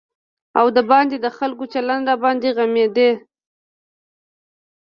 او د باندې د خلکو چلند راباندې غمېده.